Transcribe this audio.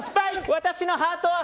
私のハートは。